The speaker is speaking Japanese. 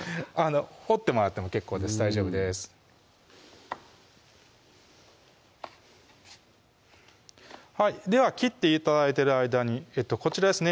折ってもらっても結構です大丈夫ですでは切って頂いてる間にこちらですね